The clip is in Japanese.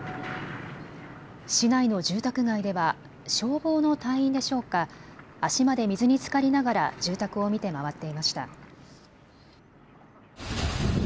市内の住宅街では消防の隊員でしょうか、足まで水につかりながら住宅を見て回っていました。